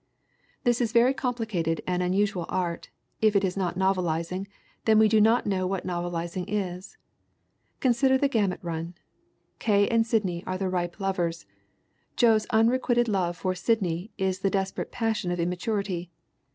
This is very complicated and unusual art if it is not novelizing, then we do not know what novelizing is. Consider the gamut run. K. and Sid ney are the ripe lovers. Joe's unrequited love for Sid ney is the desperate passion of immaturity.